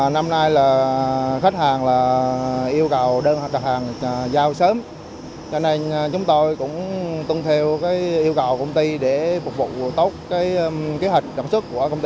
năm nay khách hàng yêu cầu đơn đặt hàng giao sớm